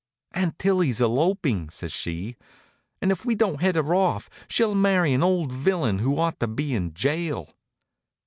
"Aunt Tillie's eloping," says she, "and if we don't head her off she'll marry an old villain who ought to be in jail."